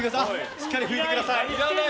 しっかり拭いてください。